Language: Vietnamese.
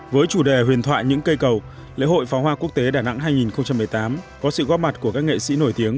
với chủ đề huyền thoại những cây cầu lễ hội pháo hoa quốc tế đà nẵng hai nghìn một mươi tám có sự góp mặt của các nghệ sĩ nổi tiếng